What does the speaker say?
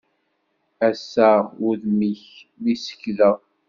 Ass-a s udem-ik mi sekdeɣ.